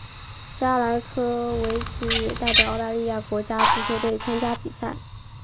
加莱科维奇也代表澳大利亚国家足球队参加比赛。